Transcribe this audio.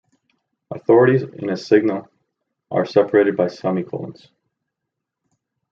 Authorities in a signal are separated by semicolons.